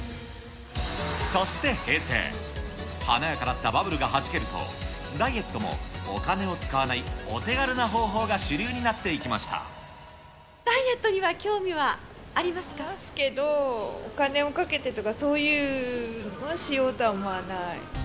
そして平成、華やかだったバブルがはじけると、ダイエットもお金を使わないお手軽な方法が主流になっていきましダイエットには興味はありまありますけど、お金をかけてとか、そういうのはしようとは思わない。